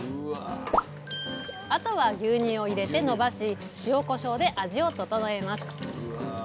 あとは牛乳を入れてのばし塩こしょうで味を調えます。